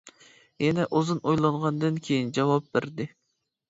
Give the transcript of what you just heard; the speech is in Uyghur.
يەنە ئۇزۇن ئويلانغاندىن كېيىن جاۋاب بەردى.